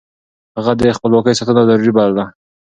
هغه د خپلواکۍ ساتنه ضروري بلله.